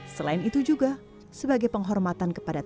selain itu juga sebagai penghormatan kepada